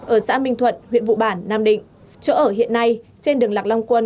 ở xã minh thuận huyện vụ bản nam định chỗ ở hiện nay trên đường lạc long quân